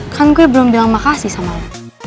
kan gue belum bilang makasih sama ya